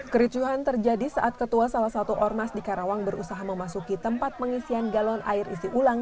kericuhan terjadi saat ketua salah satu ormas di karawang berusaha memasuki tempat pengisian galon air isi ulang